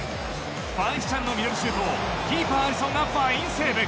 ファン・ヒチャンのミドルシュートをキーパー、アリソンがファインセーブ。